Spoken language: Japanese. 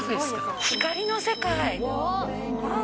光の世界。